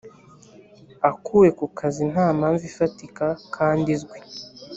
akuwe ku kazi nta mpamvu ifatika kandi izwi